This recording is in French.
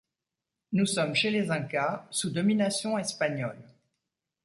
Nous sommes chez les Incas, sous domination espagnole.